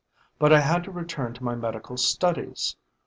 But I had to return to my medical studies.